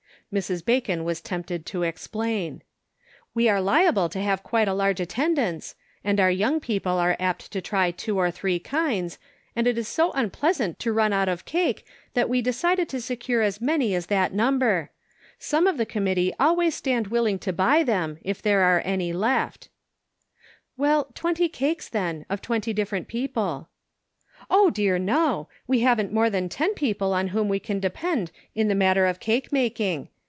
Mrs. Bacon was tempted to explain. " We are liable to have quite a large attendance, and our young people are apt to try two or three kinds, and it is so unpleasant to run out of cake that we decided to secure as many as that number. Some of the committee always stand willing to buy them if there are any left," " Well, twenty cakes then, of twenty different people." " Oh, dear, no ! We haven't more than ten people on whom we can depend in the matter of cake making.